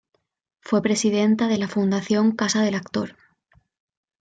Fue presidenta de la Fundación "Casa del Actor".